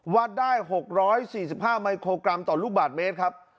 วัดได้๖๔๕มิโครกรัมต่อลูกบาทเมตรครับ